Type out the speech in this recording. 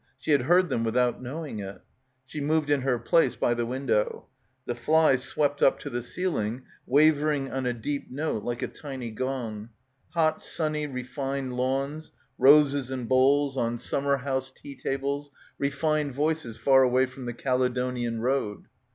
She had heard them without knowing it. She moved in her place by the window. The — 130 — BACKWATER fly swept up to the ceiling, wavering on a deep note like a tiny gong. ... Hot sunny refined lawns, roses in bowls on summerhouse tea tables, refined voices far away from the Caledonian Road.